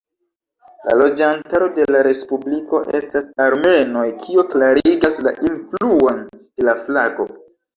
La loĝantaro de la respubliko estas armenoj kio klarigas la influon de la flago.